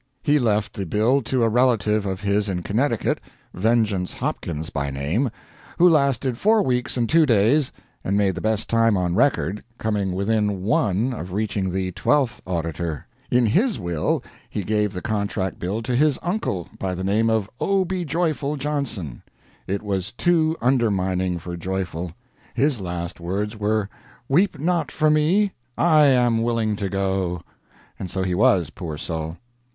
He left the bill to a relative of his in Connecticut, Vengeance Hopkins by name, who lasted four weeks and two days, and made the best time on record, coming within one of reaching the Twelfth Auditor. In his will he gave the contract bill to his uncle, by the name of O be joyful Johnson. It was too undermining for Joyful. His last words were: "Weep not for me I am willing to go." And so he was, poor soul.